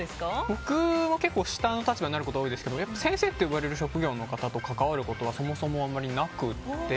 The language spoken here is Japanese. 僕も結構下の立場になること多いですけど先生って呼ばれる職業の方と関わることが、そもそもなくて。